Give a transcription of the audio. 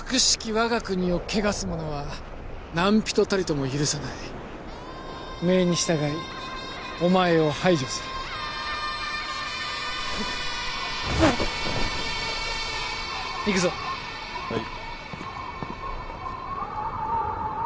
我が国を汚す者は何人たりとも許さない命に従いお前を排除するうっあっ行くぞはい